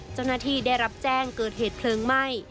เจ้าหน้าที่ได้รับแจ้งเกิดเหตุเพลิงไหม้